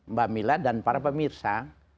mbak mila dan para pemirsa